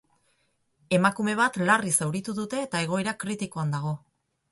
Emakume bat larri zauritu dute, eta egoera kritikoan dago.